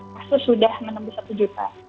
kasus sudah menembus satu juta